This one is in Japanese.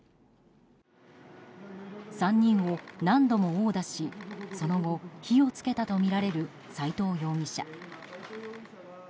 ３人を何度も殴打しその後、火を付けたとみられる斎藤容疑者。